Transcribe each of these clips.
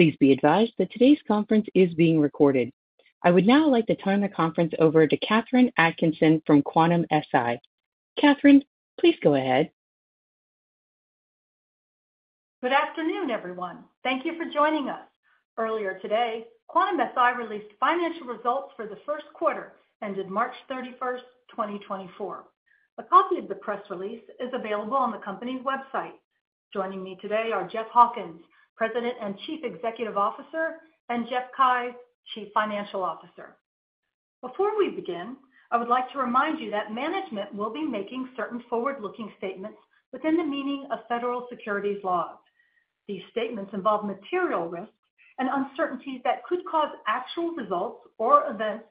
Please be advised that today's conference is being recorded. I would now like to turn the conference over to Katherine Atkinson from Quantum-Si. Katherine, please go ahead. Good afternoon, everyone. Thank you for joining us. Earlier today, Quantum-Si released financial results for the first quarter ended March 31, 2024. A copy of the press release is available on the company's website. Joining me today are Jeff Hawkins, President and Chief Executive Officer, and Jeff Keyes, Chief Financial Officer. Before we begin, I would like to remind you that management will be making certain forward-looking statements within the meaning of federal securities laws. These statements involve material risks and uncertainties that could cause actual results or events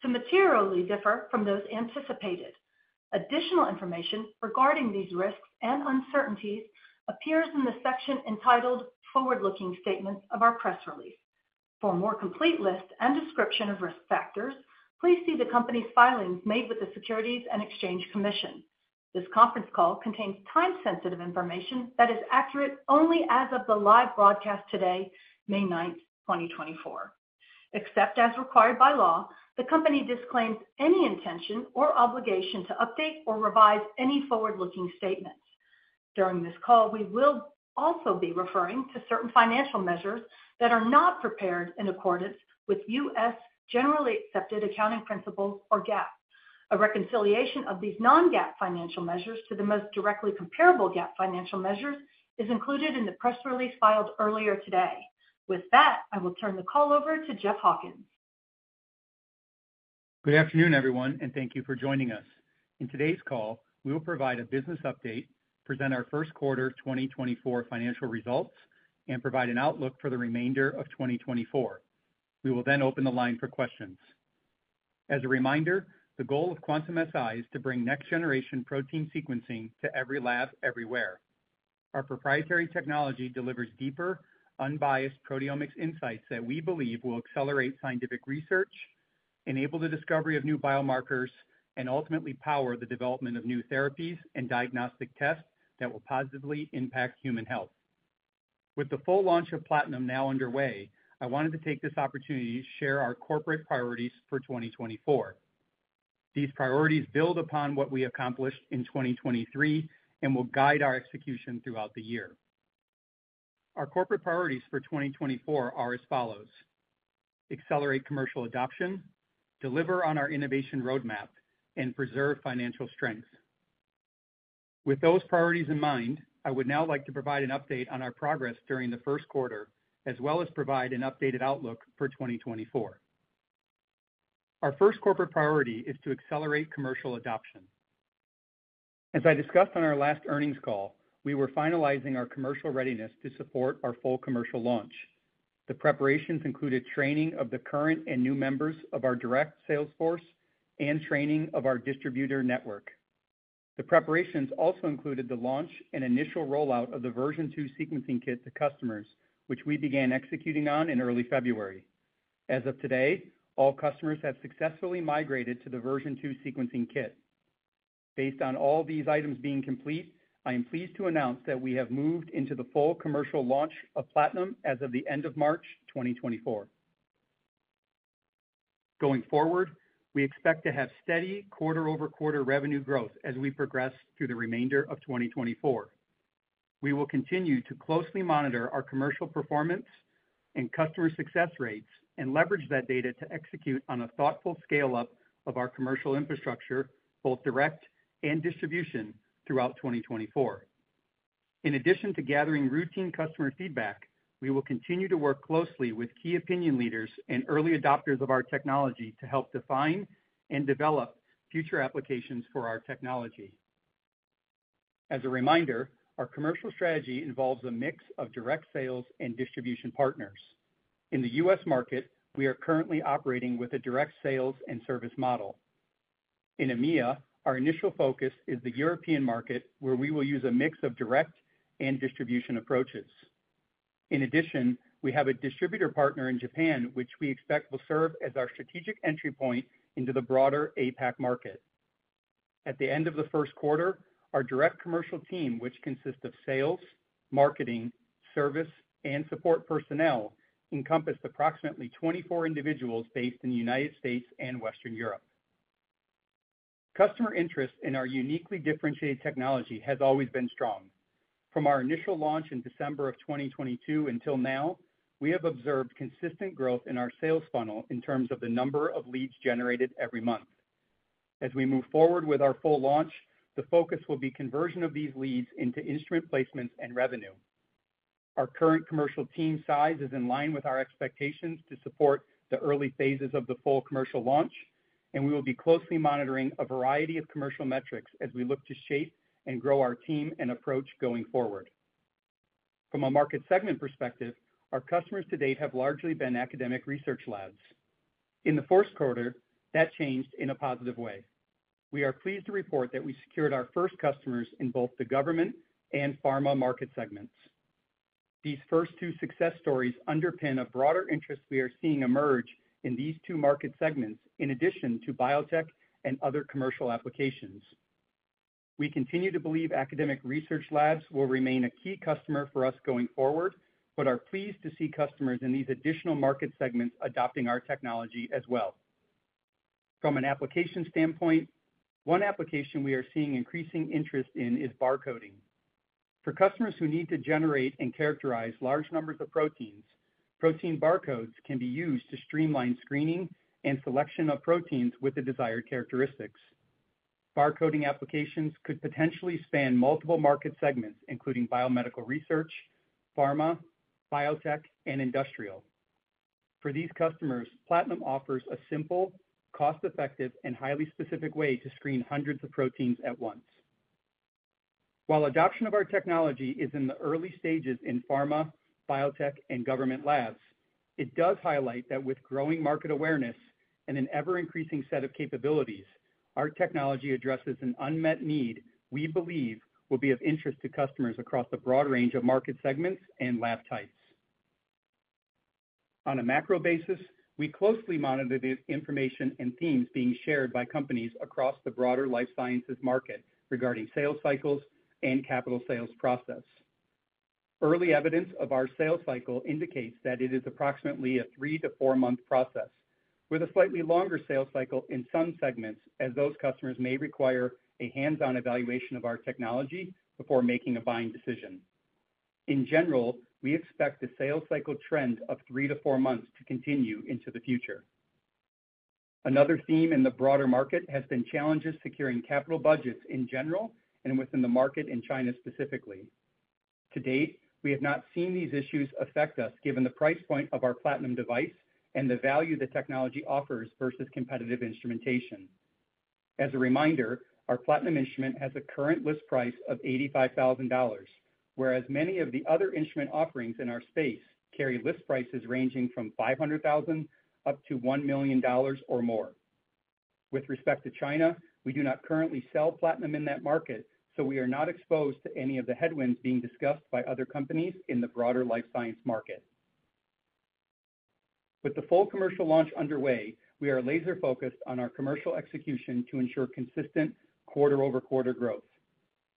to materially differ from those anticipated. Additional information regarding these risks and uncertainties appears in the section entitled "Forward-Looking Statements" of our press release. For a more complete list and description of risk factors, please see the company's filings made with the Securities and Exchange Commission. This conference call contains time-sensitive information that is accurate only as of the live broadcast today, May 9, 2024. Except as required by law, the company disclaims any intention or obligation to update or revise any forward-looking statements. During this call, we will also be referring to certain financial measures that are not prepared in accordance with U.S. generally accepted accounting principles or GAAP. A reconciliation of these non-GAAP financial measures to the most directly comparable GAAP financial measures is included in the press release filed earlier today. With that, I will turn the call over to Jeff Hawkins. Good afternoon, everyone, and thank you for joining us. In today's call, we will provide a business update, present our first quarter 2024 financial results, and provide an outlook for the remainder of 2024. We will then open the line for questions. As a reminder, the goal of Quantum-Si is to bring next-generation protein sequencing to every lab everywhere. Our proprietary technology delivers deeper, unbiased proteomics insights that we believe will accelerate scientific research, enable the discovery of new biomarkers, and ultimately power the development of new therapies and diagnostic tests that will positively impact human health. With the full launch of Platinum now underway, I wanted to take this opportunity to share our corporate priorities for 2024. These priorities build upon what we accomplished in 2023 and will guide our execution throughout the year. Our corporate priorities for 2024 are as follows: accelerate commercial adoption, deliver on our innovation roadmap, and preserve financial strength. With those priorities in mind, I would now like to provide an update on our progress during the first quarter as well as provide an updated outlook for 2024. Our first corporate priority is to accelerate commercial adoption. As I discussed on our last earnings call, we were finalizing our commercial readiness to support our full commercial launch. The preparations included training of the current and new members of our direct sales force and training of our distributor network. The preparations also included the launch and initial rollout of the V2 sequencing kits to customers, which we began executing on in early February. As of today, all customers have successfully migrated to the V2 sequencing kits. Based on all these items being complete, I am pleased to announce that we have moved into the full commercial launch of Platinum as of the end of March 2024. Going forward, we expect to have steady quarter-over-quarter revenue growth as we progress through the remainder of 2024. We will continue to closely monitor our commercial performance and customer success rates and leverage that data to execute on a thoughtful scale-up of our commercial infrastructure, both direct and distribution, throughout 2024. In addition to gathering routine customer feedback, we will continue to work closely with key opinion leaders and early adopters of our technology to help define and develop future applications for our technology. As a reminder, our commercial strategy involves a mix of direct sales and distribution partners. In the U.S. market, we are currently operating with a direct sales and service model. In EMEA, our initial focus is the European market, where we will use a mix of direct and distribution approaches. In addition, we have a distributor partner in Japan, which we expect will serve as our strategic entry point into the broader APAC market. At the end of the first quarter, our direct commercial team, which consists of sales, marketing, service, and support personnel, encompassed approximately 24 individuals based in the United States and Western Europe. Customer interest in our uniquely differentiated technology has always been strong. From our initial launch in December of 2022 until now, we have observed consistent growth in our sales funnel in terms of the number of leads generated every month. As we move forward with our full launch, the focus will be conversion of these leads into instrument placements and revenue. Our current commercial team size is in line with our expectations to support the early phases of the full commercial launch, and we will be closely monitoring a variety of commercial metrics as we look to shape and grow our team and approach going forward. From a market segment perspective, our customers to date have largely been academic research labs. In the fourth quarter, that changed in a positive way. We are pleased to report that we secured our first customers in both the government and pharma market segments. These first two success stories underpin a broader interest we are seeing emerge in these two market segments, in addition to biotech and other commercial applications. We continue to believe academic research labs will remain a key customer for us going forward, but are pleased to see customers in these additional market segments adopting our technology as well. From an application standpoint, one application we are seeing increasing interest in is barcoding. For customers who need to generate and characterize large numbers of proteins, protein barcodes can be used to streamline screening and selection of proteins with the desired characteristics. Barcoding applications could potentially span multiple market segments, including biomedical research, pharma, biotech, and industrial. For these customers, Platinum offers a simple, cost-effective, and highly specific way to screen hundreds of proteins at once. While adoption of our technology is in the early stages in pharma, biotech, and government labs, it does highlight that with growing market awareness and an ever-increasing set of capabilities, our technology addresses an unmet need we believe will be of interest to customers across the broad range of market segments and lab types. On a macro basis, we closely monitor the information and themes being shared by companies across the broader life sciences market regarding sales cycles and capital sales process. Early evidence of our sales cycle indicates that it is approximately a three- to four-month process, with a slightly longer sales cycle in some segments as those customers may require a hands-on evaluation of our technology before making a buying decision. In general, we expect the sales cycle trend of three- to four months to continue into the future. Another theme in the broader market has been challenges securing capital budgets in general and within the market in China specifically. To date, we have not seen these issues affect us given the price point of our Platinum device and the value the technology offers versus competitive instrumentation. As a reminder, our Platinum instrument has a current list price of $85,000, whereas many of the other instrument offerings in our space carry list prices ranging from $500,000-$1 million or more. With respect to China, we do not currently sell Platinum in that market, so we are not exposed to any of the headwinds being discussed by other companies in the broader life science market. With the full commercial launch underway, we are laser-focused on our commercial execution to ensure consistent quarter-over-quarter growth.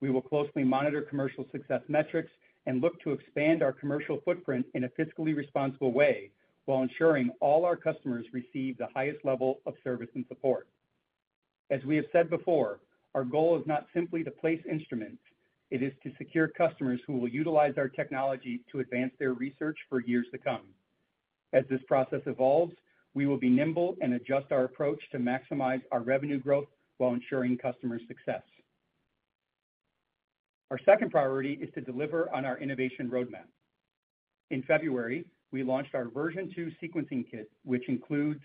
We will closely monitor commercial success metrics and look to expand our commercial footprint in a fiscally responsible way while ensuring all our customers receive the highest level of service and support. As we have said before, our goal is not simply to place instruments; it is to secure customers who will utilize our technology to advance their research for years to come. As this process evolves, we will be nimble and adjust our approach to maximize our revenue growth while ensuring customer success. Our second priority is to deliver on our innovation roadmap. In February, we launched our V2 Sequencing Kits, which includes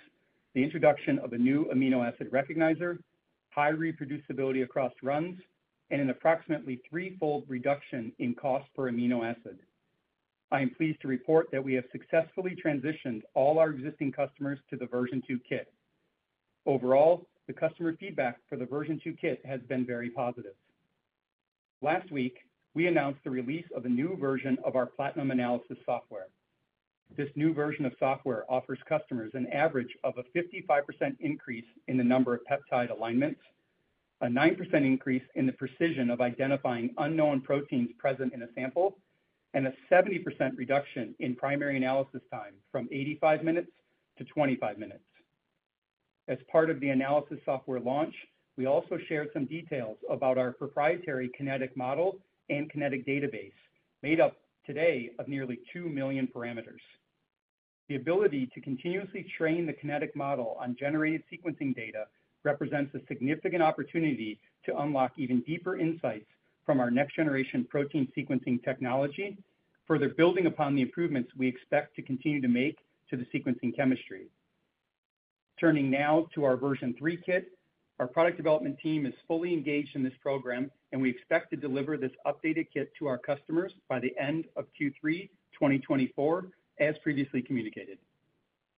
the introduction of a new amino acid recognizer, high reproducibility across runs, and an approximately threefold reduction in cost per amino acid. I am pleased to report that we have successfully transitioned all our existing customers to the V2 Kit. Overall, the customer feedback for the V2 kit has been very positive. Last week, we announced the release of a new version of our Platinum analysis software. This new version of software offers customers an average of a 55% increase in the number of peptide alignments, a 9% increase in the precision of identifying unknown proteins present in a sample, and a 70% reduction in primary analysis time from 85 minutes to 25 minutes. As part of the analysis software launch, we also shared some details about our proprietary kinetic model and kinetic database made up today of nearly two million parameters. The ability to continuously train the kinetic model on generated sequencing data represents a significant opportunity to unlock even deeper insights from our next-generation protein sequencing technology, further building upon the improvements we expect to continue to make to the sequencing chemistry. Turning now to our V3 kit, our product development team is fully engaged in this program, and we expect to deliver this updated kit to our customers by the end of Q3 2024, as previously communicated.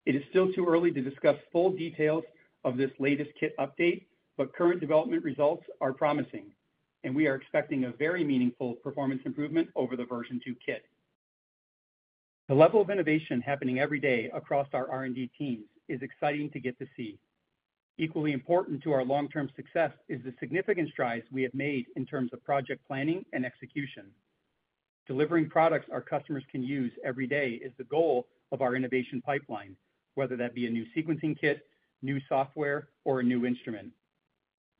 It is still too early to discuss full details of this latest kit update, but current development results are promising, and we are expecting a very meaningful performance improvement over the version two kit. The level of innovation happening every day across our R&D teams is exciting to get to see. Equally important to our long-term success is the significant strides we have made in terms of project planning and execution. Delivering products our customers can use every day is the goal of our innovation pipeline, whether that be a new sequencing kit, new software, or a new instrument.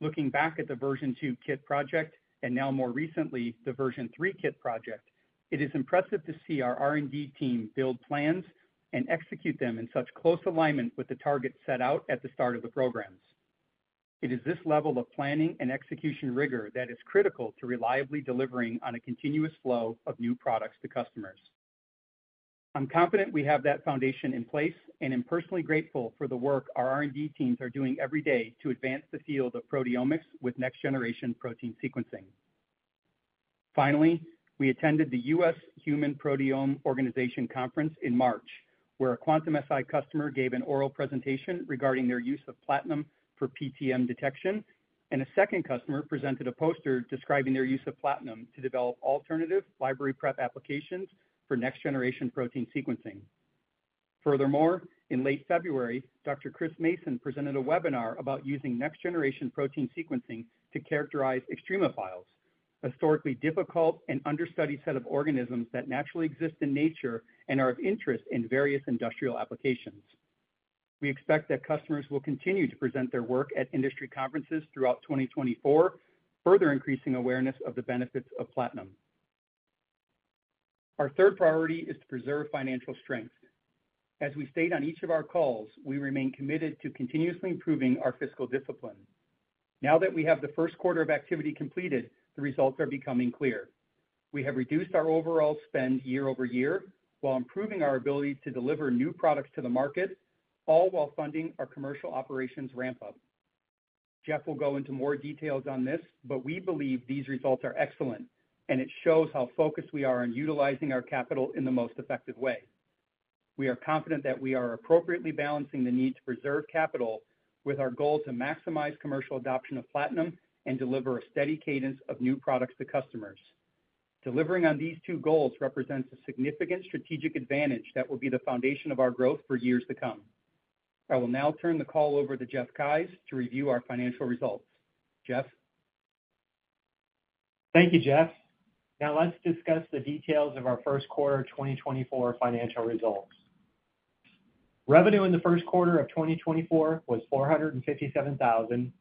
Looking back at the V2 kit project and now more recently the V3 kit project, it is impressive to see our R&D team build plans and execute them in such close alignment with the targets set out at the start of the programs. It is this level of planning and execution rigor that is critical to reliably delivering on a continuous flow of new products to customers. I'm confident we have that foundation in place and am personally grateful for the work our R&D teams are doing every day to advance the field of proteomics with next-generation protein sequencing. Finally, we attended the U.S. Human Proteome Organization Conference in March, where a Quantum-Si customer gave an oral presentation regarding their use of Platinum for PTM detection, and a second customer presented a poster describing their use of Platinum to develop alternative library prep applications for next-generation protein sequencing. Furthermore, in late February, Dr. Chris Mason presented a webinar about using next-generation protein sequencing to characterize extremophiles, a historically difficult and understudied set of organisms that naturally exist in nature and are of interest in various industrial applications. We expect that customers will continue to present their work at industry conferences throughout 2024, further increasing awareness of the benefits of Platinum. Our third priority is to preserve financial strength. As we state on each of our calls, we remain committed to continuously improving our fiscal discipline. Now that we have the first quarter of activity completed, the results are becoming clear. We have reduced our overall spend year-over-year while improving our ability to deliver new products to the market, all while funding our commercial operations ramp-up. Jeff will go into more details on this, but we believe these results are excellent, and it shows how focused we are on utilizing our capital in the most effective way. We are confident that we are appropriately balancing the need to preserve capital with our goal to maximize commercial adoption of Platinum and deliver a steady cadence of new products to customers. Delivering on these two goals represents a significant strategic advantage that will be the foundation of our growth for years to come. I will now turn the call over to Jeff Keyes to review our financial results. Jeff. Thank you, Jeff. Now let's discuss the details of our first quarter 2024 financial results. Revenue in the first quarter of 2024 was $457,000,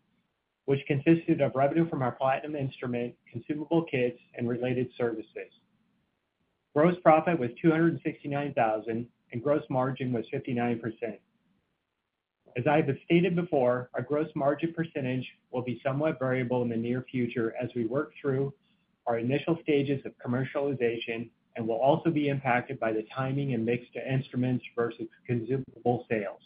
which consisted of revenue from our Platinum instrument, consumable kits, and related services. Gross profit was $269,000, and gross margin was 59%. As I have stated before, our gross margin percentage will be somewhat variable in the near future as we work through our initial stages of commercialization and will also be impacted by the timing and mix to instruments versus consumable sales.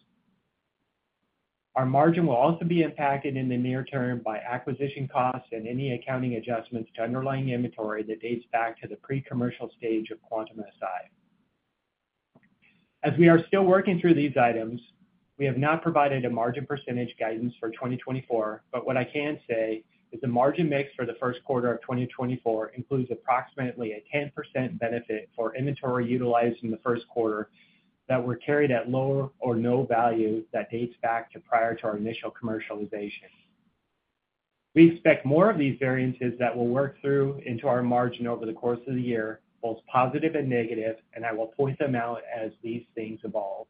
Our margin will also be impacted in the near term by acquisition costs and any accounting adjustments to underlying inventory that dates back to the pre-commercial stage of Quantum-Si. As we are still working through these items, we have not provided a margin percentage guidance for 2024, but what I can say is the margin mix for the first quarter of 2024 includes approximately a 10% benefit for inventory utilized in the first quarter that were carried at lower or no value that dates back to prior to our initial commercialization. We expect more of these variances that will work through into our margin over the course of the year, both positive and negative, and I will point them out as these things evolve.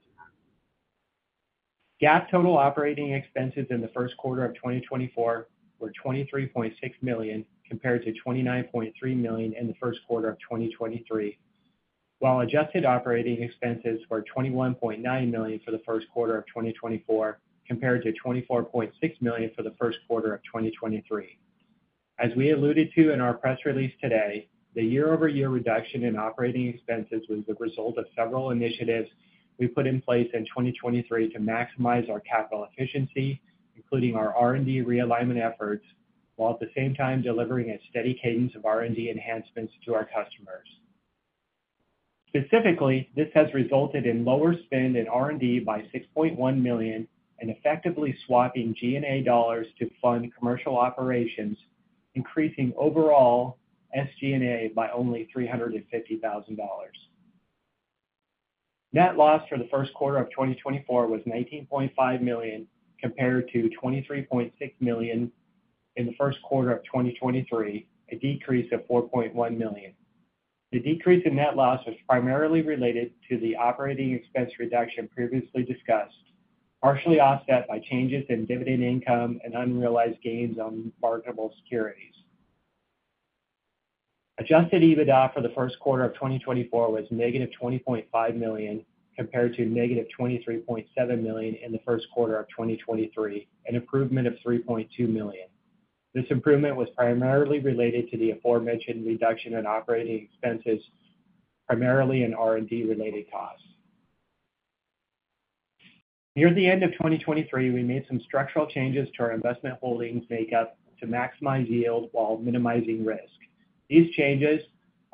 GAAP total operating expenses in the first quarter of 2024 were $23.6 million compared to $29.3 million in the first quarter of 2023, while adjusted operating expenses were $21.9 million for the first quarter of 2024 compared to $24.6 million for the first quarter of 2023. As we alluded to in our press release today, the year-over-year reduction in operating expenses was the result of several initiatives we put in place in 2023 to maximize our capital efficiency, including our R&D realignment efforts, while at the same time delivering a steady cadence of R&D enhancements to our customers. Specifically, this has resulted in lower spend in R&D by $6.1 million and effectively swapping G&A dollars to fund commercial operations, increasing overall SG&A by only $350,000. Net loss for the first quarter of 2024 was $19.5 million compared to $23.6 million in the first quarter of 2023, a decrease of $4.1 million. The decrease in net loss was primarily related to the operating expense reduction previously discussed, partially offset by changes in dividend income and unrealized gains on marketable securities. Adjusted EBITDA for the first quarter of 2024 was -$20.5 million compared to -$23.7 million in the first quarter of 2023, an improvement of $3.2 million. This improvement was primarily related to the aforementioned reduction in operating expenses, primarily in R&D-related costs. Near the end of 2023, we made some structural changes to our investment holdings makeup to maximize yield while minimizing risk. These changes,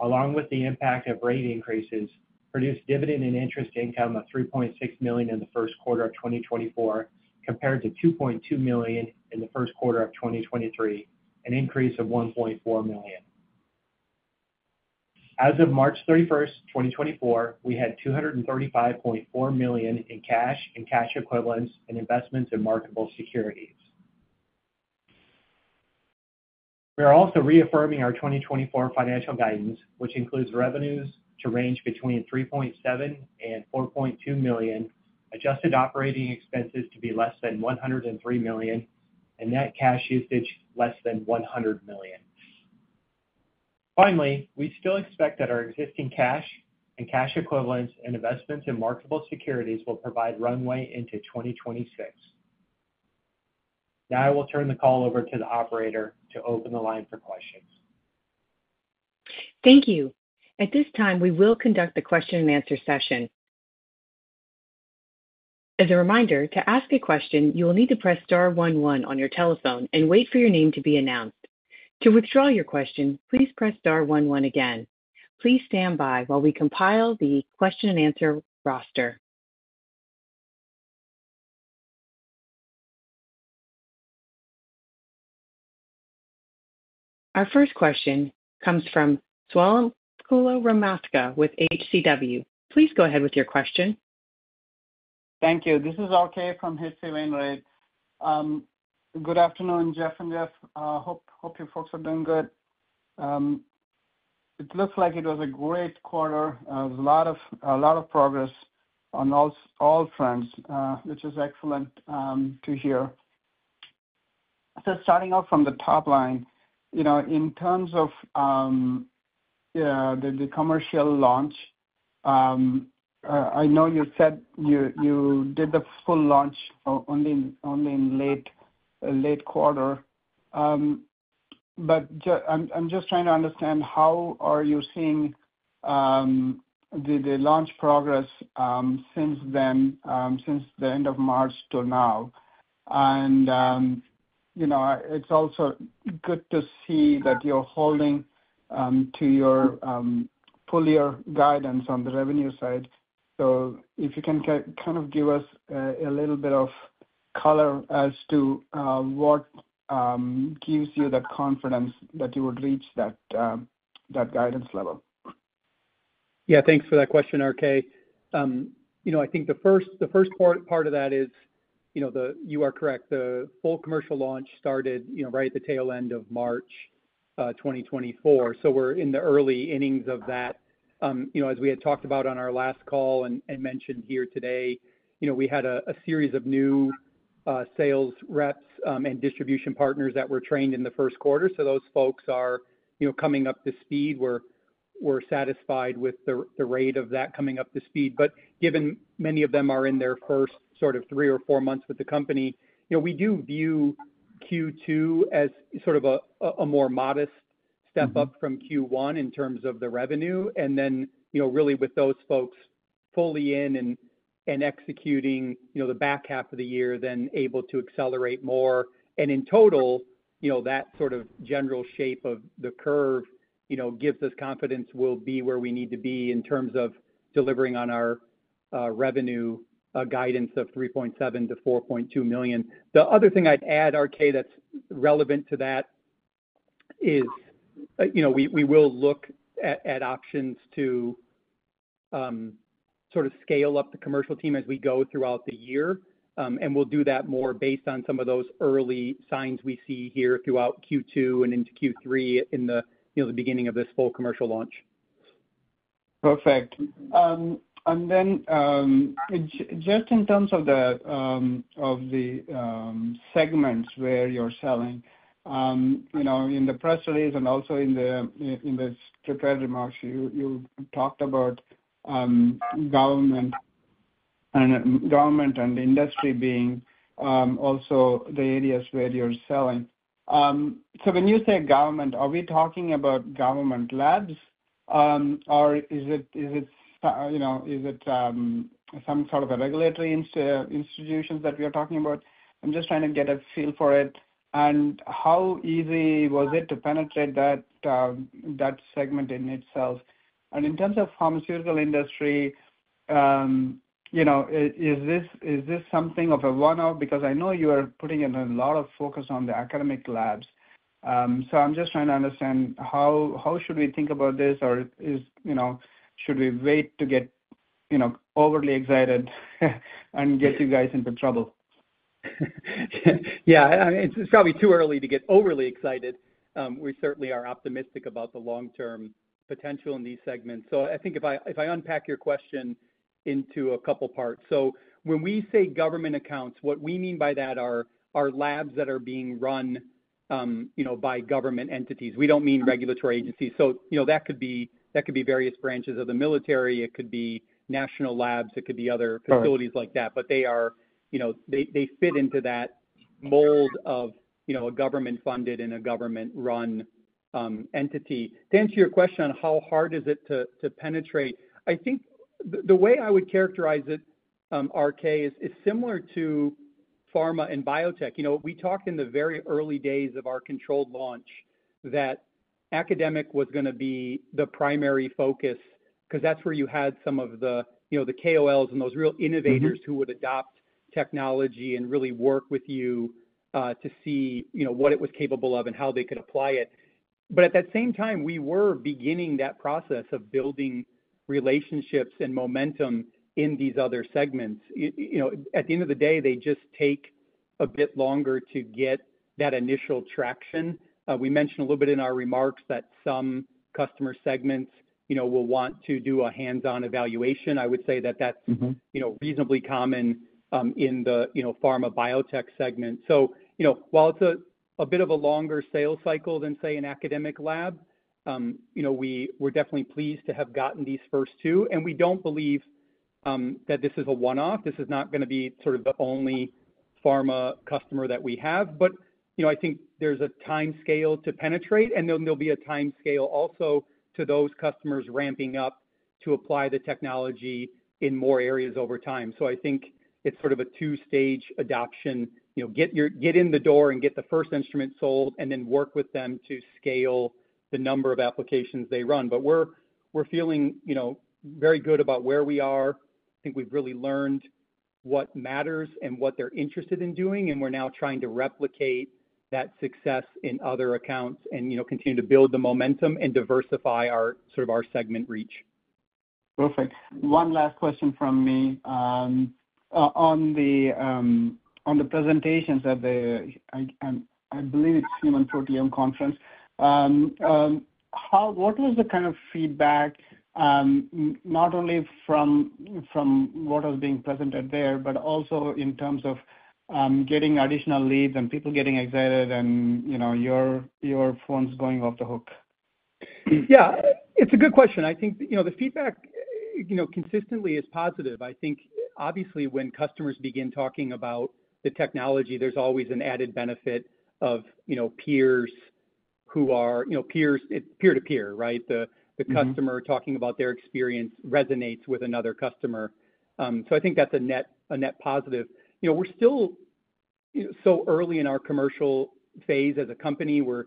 along with the impact of rate increases, produced dividend and interest income of $3.6 million in the first quarter of 2024 compared to $2.2 million in the first quarter of 2023, an increase of $1.4 million. As of March 31, 2024, we had $235.4 million in cash and cash equivalents and investments in marketable securities. We are also reaffirming our 2024 financial guidance, which includes revenues to range between $3.7-$4.2 million, adjusted operating expenses to be less than $103 million, and net cash usage less than $100 million. Finally, we still expect that our existing cash and cash equivalents and investments in marketable securities will provide runway into 2026. Now I will turn the call over to the operator to open the line for questions. Thank you. At this time, we will conduct the question-and-answer session. As a reminder, to ask a question, you will need to press star one one on your telephone and wait for your name to be announced. To withdraw your question, please press star one one again. Please stand by while we compile the question-and-answer roster. Our first question comes from Swayampakula Ramakanth with HCW. Please go ahead with your question. Thank you. This is R.K. from H.C. Wainwright. Good afternoon, Jeff and Jeff. Hope you folks are doing good. It looks like it was a great quarter. There was a lot of progress on all fronts, which is excellent to hear. So starting off from the top line, in terms of the commercial launch, I know you said you did the full launch only in late quarter, but I'm just trying to understand how are you seeing the launch progress since then, since the end of March till now? And it's also good to see that you're holding to your full-year guidance on the revenue side. So if you can kind of give us a little bit of color as to what gives you that confidence that you would reach that guidance level. Yeah, thanks for that question, R.K. I think the first part of that is you are correct. The full commercial launch started right at the tail end of March 2024. So we're in the early innings of that. As we had talked about on our last call and mentioned here today, we had a series of new sales reps and distribution partners that were trained in the first quarter. So those folks are coming up to speed. We're satisfied with the rate of that coming up to speed. But given many of them are in their first sort of three or four months with the company, we do view Q2 as sort of a more modest step up from Q1 in terms of the revenue. And then really with those folks fully in and executing the back half of the year, then able to accelerate more. In total, that sort of general shape of the curve gives us confidence we'll be where we need to be in terms of delivering on our revenue guidance of $3.7 million-$4.2 million. The other thing I'd add, R.K., that's relevant to that is we will look at options to sort of scale up the commercial team as we go throughout the year. We'll do that more based on some of those early signs we see here throughout Q2 and into Q3 in the beginning of this full commercial launch. Perfect. Then just in terms of the segments where you're selling, in the press release and also in the prepared remarks, you talked about government and industry being also the areas where you're selling. So when you say government, are we talking about government labs, or is it some sort of regulatory institutions that we are talking about? I'm just trying to get a feel for it. How easy was it to penetrate that segment in itself? In terms of pharmaceutical industry, is this something of a one-off? Because I know you are putting in a lot of focus on the academic labs. So I'm just trying to understand how should we think about this, or should we wait to get overly excited and get you guys into trouble? Yeah. I mean, it's probably too early to get overly excited. We certainly are optimistic about the long-term potential in these segments. So I think if I unpack your question into a couple of parts. So when we say government accounts, what we mean by that are labs that are being run by government entities. We don't mean regulatory agencies. So that could be various branches of the military. It could be national labs. It could be other facilities like that. But they fit into that mold of a government-funded and a government-run entity. To answer your question on how hard is it to penetrate, I think the way I would characterize it, R.K., is similar to pharma and biotech. We talked in the very early days of our controlled launch that academic was going to be the primary focus because that's where you had some of the KOLs and those real innovators who would adopt technology and really work with you to see what it was capable of and how they could apply it. But at that same time, we were beginning that process of building relationships and momentum in these other segments. At the end of the day, they just take a bit longer to get that initial traction. We mentioned a little bit in our remarks that some customer segments will want to do a hands-on evaluation. I would say that that's reasonably common in the pharma-biotech segment. So while it's a bit of a longer sales cycle than, say, an academic lab, we're definitely pleased to have gotten these first two. And we don't believe that this is a one-off. This is not going to be sort of the only pharma customer that we have. But I think there's a time scale to penetrate, and then there'll be a time scale also to those customers ramping up to apply the technology in more areas over time. So I think it's sort of a two-stage adoption. Get in the door and get the first instrument sold, and then work with them to scale the number of applications they run. But we're feeling very good about where we are. I think we've really learned what matters and what they're interested in doing. And we're now trying to replicate that success in other accounts and continue to build the momentum and diversify sort of our segment reach. Perfect. One last question from me. On the presentations at the, I believe it's Human Proteome Conference, what was the kind of feedback, not only from what was being presented there, but also in terms of getting additional leads and people getting excited and your phone's going off the hook? Yeah. It's a good question. I think the feedback consistently is positive. I think, obviously, when customers begin talking about the technology, there's always an added benefit of peers who are peer-to-peer, right? The customer talking about their experience resonates with another customer. So I think that's a net positive. We're still so early in our commercial phase as a company. We're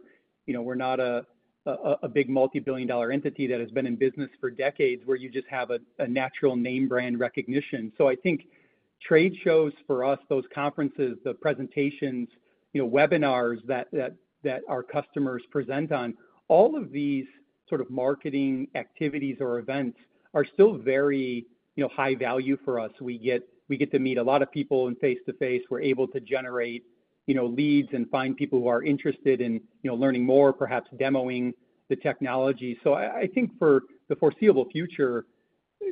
not a big multi-billion-dollar entity that has been in business for decades where you just have a natural name brand recognition. So I think trade shows for us, those conferences, the presentations, webinars that our customers present on, all of these sort of marketing activities or events are still very high value for us. We get to meet a lot of people face-to-face. We're able to generate leads and find people who are interested in learning more, perhaps demoing the technology. I think for the foreseeable future,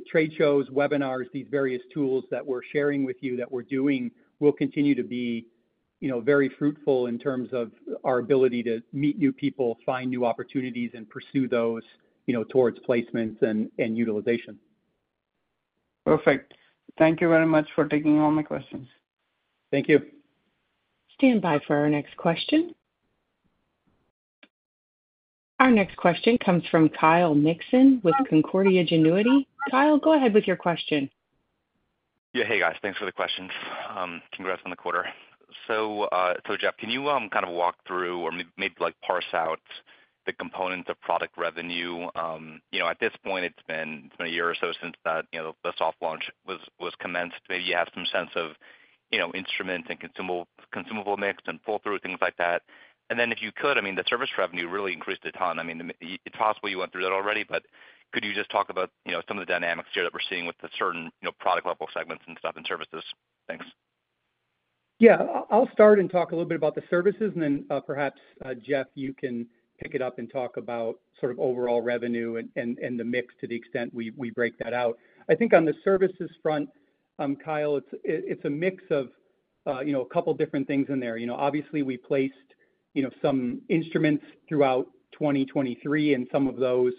trade shows, webinars, these various tools that we're sharing with you, that we're doing, will continue to be very fruitful in terms of our ability to meet new people, find new opportunities, and pursue those towards placements and utilization. Perfect. Thank you very much for taking all my questions. Thank you. Stand by for our next question. Our next question comes from Kyle Mikson with Cantor Fitzgerald. Kyle, go ahead with your question. Yeah. Hey, guys. Thanks for the questions. Congrats on the quarter. So, Jeff, can you kind of walk through or maybe parse out the components of product revenue? At this point, it's been a year or so since the soft launch was commenced. Maybe you have some sense of instruments and consumable mix and pull-through, things like that. And then if you could, I mean, the service revenue really increased a ton. I mean, it's possible you went through that already, but could you just talk about some of the dynamics here that we're seeing with the certain product-level segments and stuff and services? Thanks. Yeah. I'll start and talk a little bit about the services, and then perhaps Jeff, you can pick it up and talk about sort of overall revenue and the mix to the extent we break that out. I think on the services front, Kyle, it's a mix of a couple of different things in there. Obviously, we placed some instruments throughout 2023, and some of those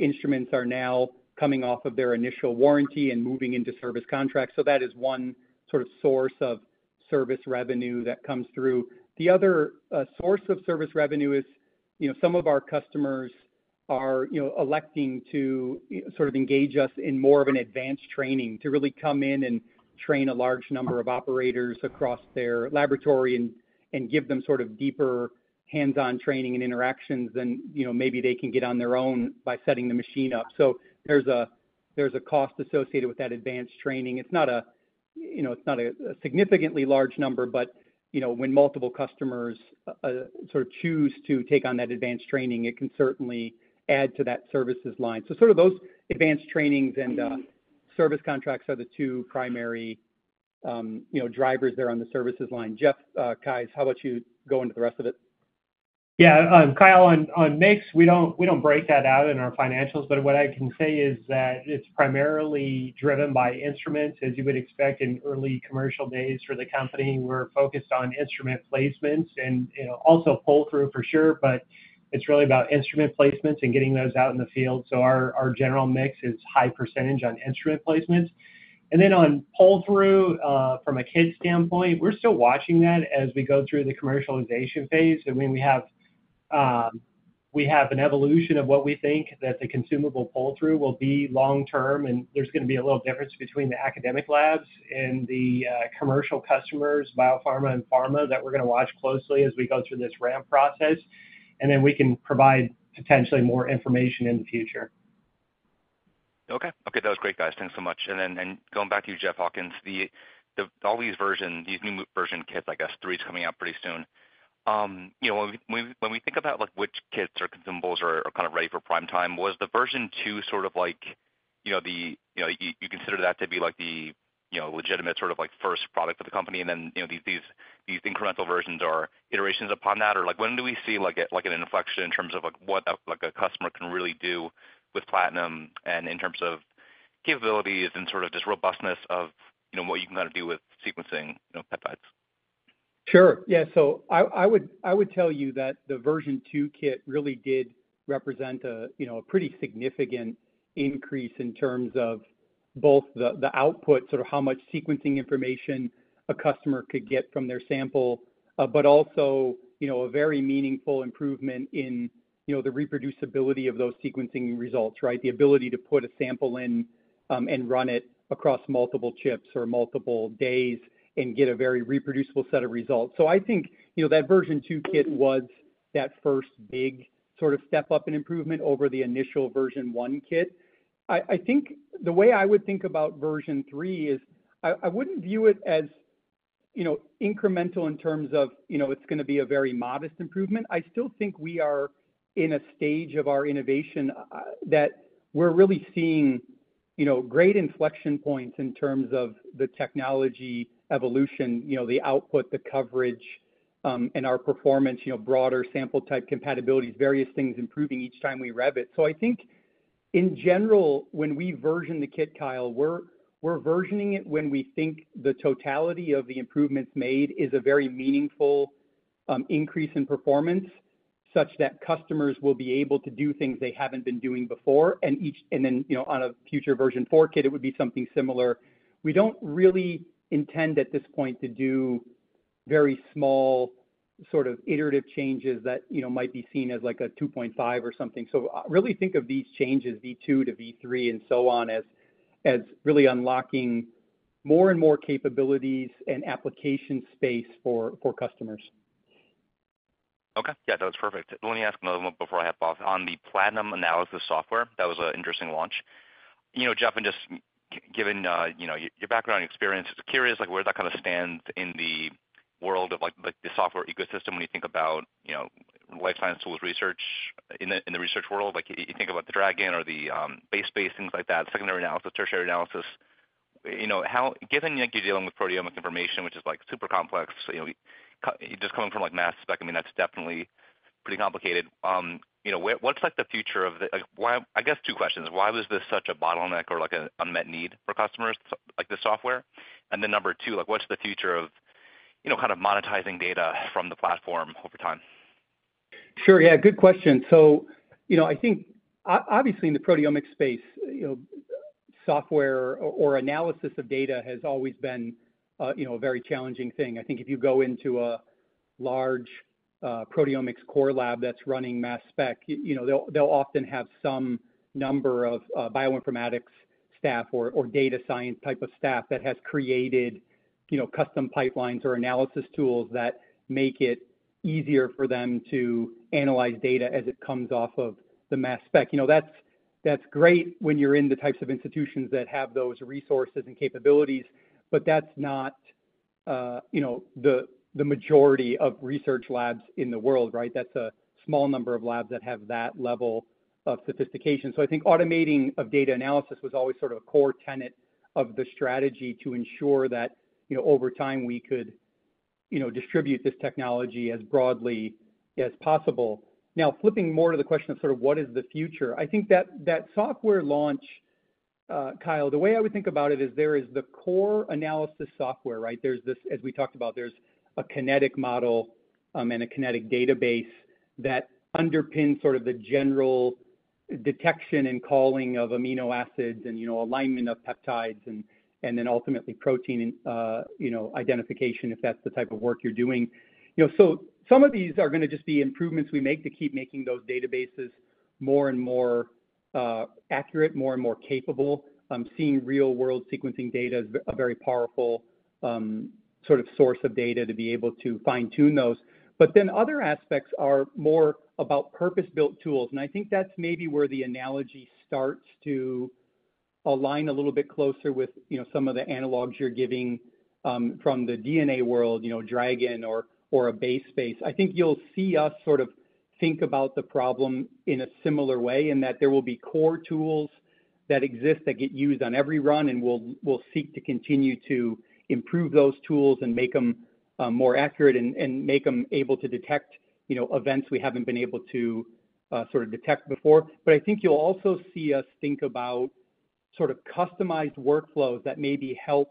instruments are now coming off of their initial warranty and moving into service contracts. So that is one sort of source of service revenue that comes through. The other source of service revenue is some of our customers are electing to sort of engage us in more of an advanced training, to really come in and train a large number of operators across their laboratory and give them sort of deeper hands-on training and interactions than maybe they can get on their own by setting the machine up. So there's a cost associated with that advanced training. It's not a significantly large number, but when multiple customers sort of choose to take on that advanced training, it can certainly add to that services line. So sort of those advanced trainings and service contracts are the two primary drivers there on the services line. Jeff Keyes, how about you go into the rest of it? Yeah. Kyle, on mix, we don't break that out in our financials. But what I can say is that it's primarily driven by instruments, as you would expect in early commercial days for the company. We're focused on instrument placements and also pull-through for sure. But it's really about instrument placements and getting those out in the field. So our general mix is high percentage on instrument placements. And then on pull-through, from a kit standpoint, we're still watching that as we go through the commercialization phase. I mean, we have an evolution of what we think that the consumable pull-through will be long-term. And there's going to be a little difference between the academic labs and the commercial customers, biopharma and pharma, that we're going to watch closely as we go through this ramp process. And then we can provide potentially more information in the future. Okay. Okay. That was great, guys. Thanks so much. And then going back to you, Jeff Hawkins, all these versions, these new version kits, I guess, three is coming out pretty soon. When we think about which kits or consumables are kind of ready for prime time, was the version two sort of like the you consider that to be the legitimate sort of first product for the company, and then these incremental versions are iterations upon that? Or when do we see an inflection in terms of what a customer can really do with Platinum and in terms of capabilities and sort of just robustness of what you can kind of do with sequencing peptides? Sure. Yeah. So I would tell you that the version two kit really did represent a pretty significant increase in terms of both the output, sort of how much sequencing information a customer could get from their sample, but also a very meaningful improvement in the reproducibility of those sequencing results, right? The ability to put a sample in and run it across multiple chips or multiple days and get a very reproducible set of results. So I think that version two kit was that first big sort of step up and improvement over the initial version one kit. I think the way I would think about version three is I wouldn't view it as incremental in terms of. It's going to be a very modest improvement. I still think we are in a stage of our innovation that we're really seeing great inflection points in terms of the technology evolution, the output, the coverage, and our performance, broader sample type compatibilities, various things improving each time we rev it. So I think, in general, when we version the kit, Kyle, we're versioning it when we think the totality of the improvements made is a very meaningful increase in performance such that customers will be able to do things they haven't been doing before. And then on a future V4 Kit, it would be something similar. We don't really intend at this point to do very small sort of iterative changes that might be seen as a 2.5 or something. So really think of these changes, V2 to V3 and so on, as really unlocking more and more capabilities and application space for customers. Okay. Yeah. That was perfect. Let me ask another one before I hop off. On the Platinum analysis software, that was an interesting launch. Jeff, and just given your background and experience, curious where that kind of stands in the world of the software ecosystem when you think about life science tools research in the research world. You think about the DRAGEN or the BaseSpace, things like that, secondary analysis, tertiary analysis. Given you're dealing with proteomic information, which is super complex, just coming from mass spec, I mean, that's definitely pretty complicated. What's the future of the—I guess two questions. Why was this such a bottleneck or an unmet need for customers, this software? And then number two, what's the future of kind of monetizing data from the platform over time? Sure. Yeah. Good question. So I think, obviously, in the proteomics space, software or analysis of data has always been a very challenging thing. I think if you go into a large proteomics core lab that's running mass spec, they'll often have some number of bioinformatics staff or data science type of staff that has created custom pipelines or analysis tools that make it easier for them to analyze data as it comes off of the mass spec. That's great when you're in the types of institutions that have those resources and capabilities, but that's not the majority of research labs in the world, right? That's a small number of labs that have that level of sophistication. So I think automating of data analysis was always sort of a core tenet of the strategy to ensure that, over time, we could distribute this technology as broadly as possible. Now, flipping more to the question of sort of what is the future, I think that software launch, Kyle, the way I would think about it is there is the core analysis software, right? As we talked about, there's a kinetic model and a kinetic database that underpins sort of the general detection and calling of amino acids and alignment of peptides and then ultimately protein identification, if that's the type of work you're doing. So some of these are going to just be improvements we make to keep making those databases more and more accurate, more and more capable. I'm seeing real-world sequencing data as a very powerful sort of source of data to be able to fine-tune those. But then other aspects are more about purpose-built tools. And I think that's maybe where the analogy starts to align a little bit closer with some of the analogs you're giving from the DNA world, DRAGEN or BaseSpace. I think you'll see us sort of think about the problem in a similar way in that there will be core tools that exist that get used on every run, and we'll seek to continue to improve those tools and make them more accurate and make them able to detect events we haven't been able to sort of detect before. But I think you'll also see us think about sort of customized workflows that maybe help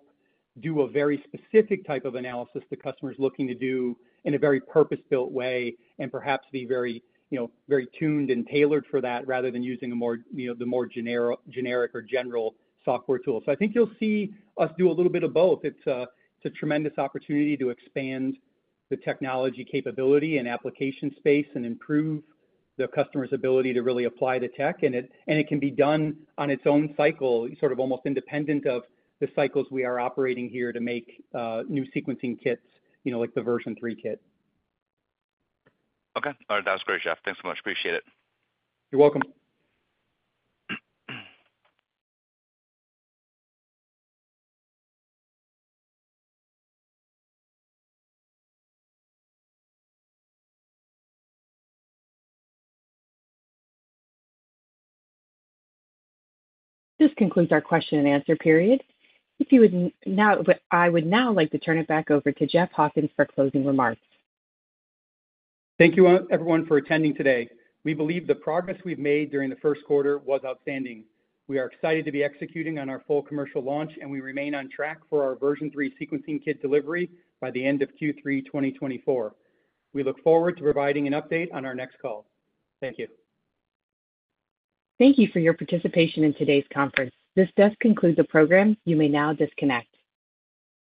do a very specific type of analysis the customer is looking to do in a very purpose-built way and perhaps be very tuned and tailored for that rather than using the more generic or general software tool. I think you'll see us do a little bit of both. It's a tremendous opportunity to expand the technology capability and application space and improve the customer's ability to really apply the tech. It can be done on its own cycle, sort of almost independent of the cycles we are operating here to make new sequencing kits like the V3 Kit. Okay. All right. That was great, Jeff. Thanks so much. Appreciate it. You're welcome. This concludes our question and answer period. I would now like to turn it back over to Jeff Hawkins for closing remarks. Thank you, everyone, for attending today. We believe the progress we've made during the first quarter was outstanding. We are excited to be executing on our full commercial launch, and we remain on track for our V3 sequencing kit delivery by the end of Q3 2024. We look forward to providing an update on our next call. Thank you. Thank you for your participation in today's conference. This does conclude the program. You may now disconnect.